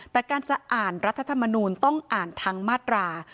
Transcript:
แต่การจะอ่านรัฐธรรมนูลต้องอ่านทั้งมาตรา